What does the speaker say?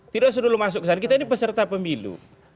tidak usah dulu masuk ke sana kita ini peserta pemilu